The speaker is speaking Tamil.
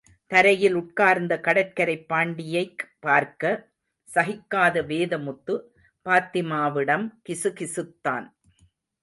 தரையில் உட்கார்ந்த கடற்கரைப் பாண்டியை பார்க்க சகிக்காத வேதமுத்து, பாத்திமாவிடம் கிசுகிசுத்தான்.